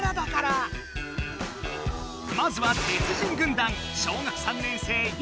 まずは鉄人軍団！